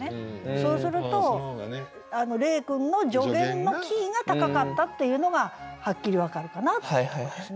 そうすると黎君の助言のキーが高かったっていうのがはっきり分かるかなと思いますね。